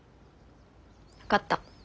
分かった。